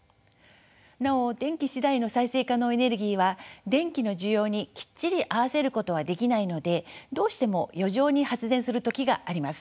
なお天気次第の再生可能エネルギーは電気の需要にきっちり合わせることはできないのでどうしても余剰に発電する時があります。